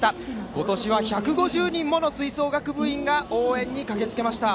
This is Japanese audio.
今年は１５０人もの吹奏楽部員が応援に駆けつけました。